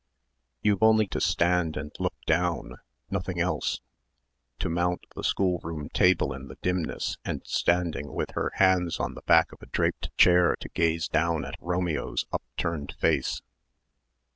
"You've only to stand and look down nothing else." To mount the schoolroom table in the dimness and standing with her hands on the back of a draped chair to gaze down at Romeo's upturned face.